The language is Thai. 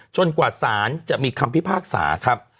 กว่าสารจะมีคำพิพากษาครับ